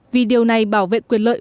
vì điều này bảo vệ quyền lợi